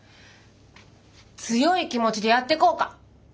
強い気持ちでやってこうか。